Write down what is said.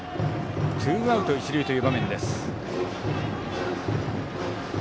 ツーアウト、一塁という場面。